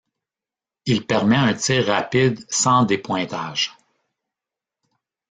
Il permet un tir rapide sans dépointage.